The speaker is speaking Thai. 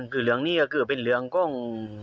เหลืองนี้ก็คือเป็นเหลืองกอง